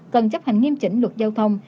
cần chấp hành nghiêm chỉnh luật giao thông